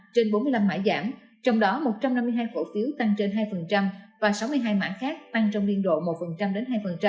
trên bốn mươi năm mã giảm trong đó một trăm năm mươi hai cổ phiếu tăng trên hai và sáu mươi hai mã khác tăng trong niên độ một đến hai